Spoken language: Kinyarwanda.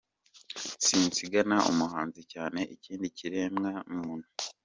Sinzigana umuhanzi cyane ikindi kiremwa muntu.